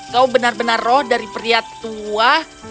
kau benar benar roh dari pria tua